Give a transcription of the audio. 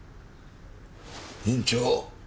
院長。